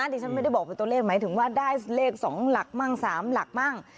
ดิฉันไม่ได้บอกเป็นตัวเลขหมายถึงว่าได้เลข๒หลักมั่ง๓หลักมั่ง